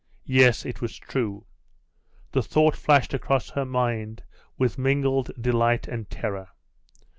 Yes; it was true! The thought flashed across her mind with mingled delight and terror....